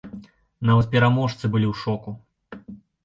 Нават пераможцы былі ў шоку.